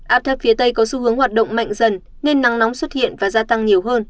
áp thấp phía tây có xu hướng hoạt động mạnh dần nên nắng nóng xuất hiện và gia tăng nhiều hơn